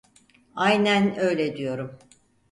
Aynen öyle diyorum.